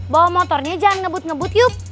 bawa motornya jangan ngebut ngebut yuk